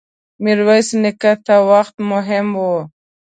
ميرويس نيکه ته وخت مهم و.